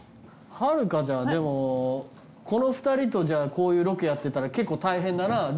はるかちゃんでもこの２人とこういうロケやってたら結構大変だな。